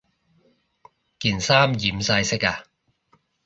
件衫染晒色呀